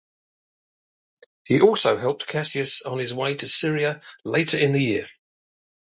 He also helped Cassius on his way to Syria later in the year.